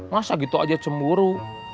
masa gitu aja cemburu